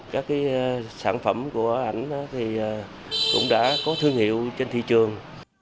các cái sản phẩm của anh thì cũng đã có thương hiệu trên thị trường